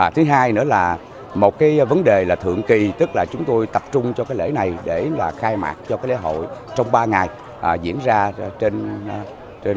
thứ hai nữa là một cái vấn đề là thượng kỳ tức là chúng tôi tập trung cho cái lễ này để khai mạc cho cái lễ hội trong ba ngày diễn ra trên địa